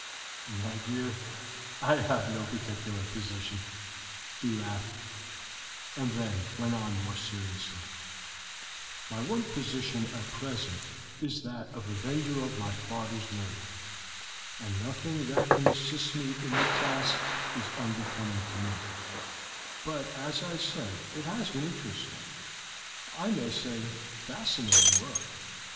"My dear, I have no particular position," he laughed, and then went on more seriously: "My one position at present is that of avenger of my father's murder, and nothing that can assist me in the task is unbecoming to me; but, as I said, it has been interesting, I may almost say fascinating, work.